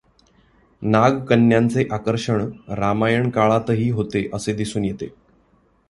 नागकन्यांचे आकर्षण रामायण काळातही होते असे दिसून येते.